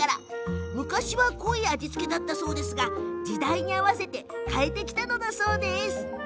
昔は濃い味付けだったそうですが時代に合わせて変えてきたんだそうです。